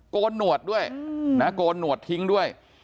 โกนหนวดด้วยนะโกนหนวดทิ้งด้วย